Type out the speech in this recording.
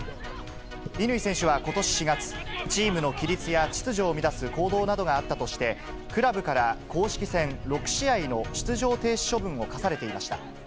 乾選手はことし４月、チームの規律や秩序を乱す行動などがあったとして、クラブから公式戦６試合の出場停止処分を科されていました。